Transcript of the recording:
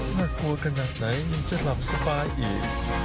ว่ากลัวกระหนักไหนยังจะหลับสบายอีก